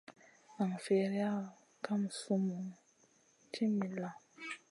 Nan firiya kam sumun ci milla.